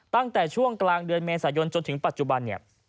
ตั้งแต่ช่วงกลางเดือนเมษายนจนถึงปัจจุบันเนี่ย